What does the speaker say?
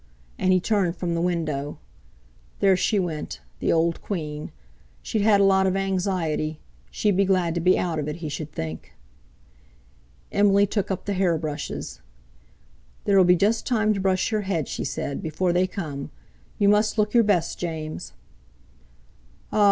And he turned from the window. There she went, the old Queen; she'd had a lot of anxiety—she'd be glad to be out of it, he should think! Emily took up the hair brushes. "There'll be just time to brush your head," she said, "before they come. You must look your best, James." "Ah!"